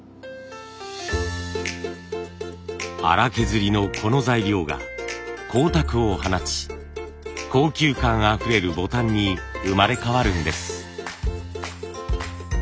荒削りのこの材料が光沢を放ち高級感あふれるボタンに生まれ変わるんです。